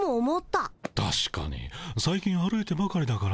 たしかに最近歩いてばかりだからねえ。